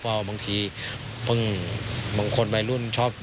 ว่าบางทีมังคนวัยรุ่นชอบ